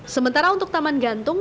sementara untuk taman gantung